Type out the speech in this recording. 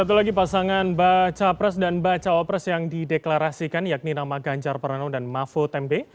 satu lagi pasangan baca pres dan baca opress yang dideklarasikan yakni nama ganjar peranoh dan mafo tembe